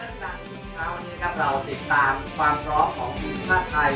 นิตชีโน้วทุกครั้งวันนี้เราติดตามความพร้อมของกลุ่มภาพไทย